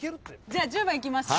じゃあ１０番いきます。